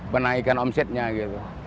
penaikan omsetnya gitu